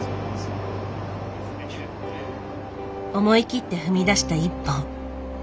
思い切って踏み出した一歩。